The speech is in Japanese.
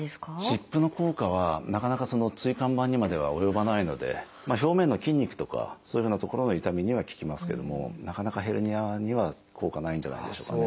湿布の効果はなかなか椎間板にまでは及ばないので表面の筋肉とかそういうふうな所の痛みには効きますけどもなかなかヘルニアには効果ないんじゃないでしょうかね。